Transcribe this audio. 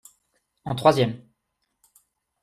En troisième.